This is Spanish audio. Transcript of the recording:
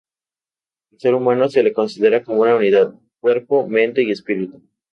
Al ser humano se le considera como una unidad: cuerpo, mente y espíritu.